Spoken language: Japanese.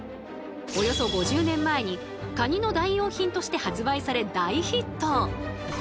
およそ５０年前にカニの代用品として発売され大ヒット！